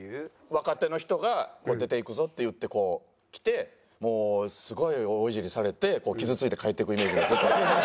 若手の人が出て行くぞっていってこう来てもうすごい大イジりされて傷ついて帰っていくイメージがずっとある。